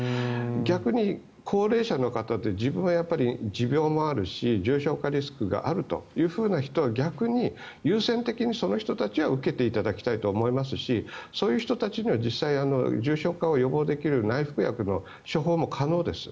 逆に高齢者の方は自分は持病もあるし重症化リスクがあるという人は逆に優先的にその人たちは受けていただきたいと思いますしそういう人たちには実際、重症化を予防できる内服薬の処方も可能です。